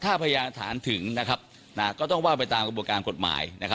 ถ้าประหยาถาถึงนะครับก็ต้องว่าไปตามกระบวนกรรมกฎหมาย